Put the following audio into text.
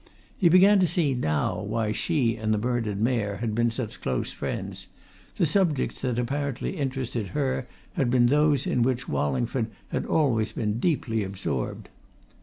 He began to see now why she and the murdered Mayor had been such close friends the subjects that apparently interested her had been those in which Wallingford had always been deeply absorbed.